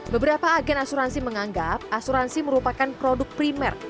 beberapa agen asuransi menganggap asuransi merupakan produk primer